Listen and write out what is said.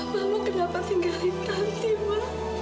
mama kenapa tinggalin tante ma